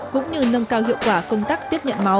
cũng như nâng cao hiệu quả công tác tiếp nhận máu